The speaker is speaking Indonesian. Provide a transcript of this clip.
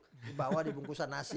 dibawa di bungkusan nasi